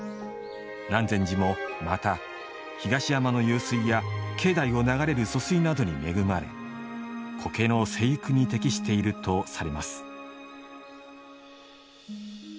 南禅寺もまた東山の湧水や境内を流れる疎水などに恵まれ苔の生育に適しているとされます。